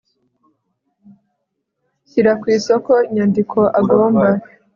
shyira ku isoko inyandiko agomba